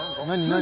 何？